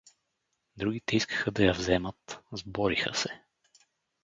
Другите искаха да я вземат, сбориха се.